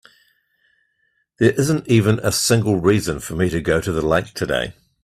There isn't even a single reason for me to go to the lake today.